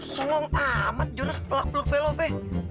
selong amat jonas peluk peluk velovi